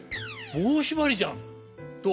『棒しばり』じゃん」と。